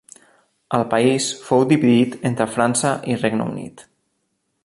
El país fou dividit entre França i Regne Unit.